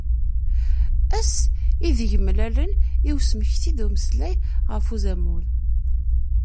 Ass ideg d-mlalen i usmekti d umeslay ɣef uzamul.